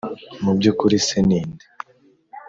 Mu by ukuri se ni nde